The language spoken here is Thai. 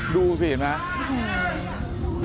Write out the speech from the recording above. ดูสิเห็นมั้ย